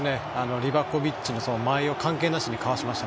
リバコビッチの間合いを関係なしにかわしました。